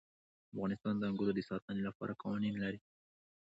افغانستان د انګورو د ساتنې لپاره قوانین لري.